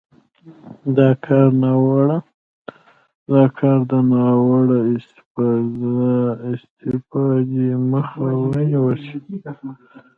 دا کار د ناوړه استفادې مخه ونیول شي.